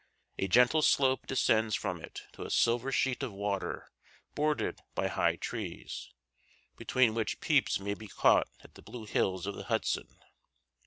A gentle slope descends from it to a silver sheet of water bordered by high trees, between which peeps may be caught at the blue hills of the Hudson.